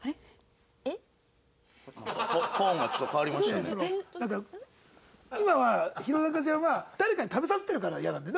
いやそのなんか今は弘中ちゃんは誰かに食べさせてるからイヤなんだよね？